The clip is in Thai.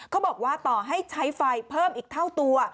เขาบอกว่าต่อให้ใช้ไฟเพิ่มอีกเท่าตัว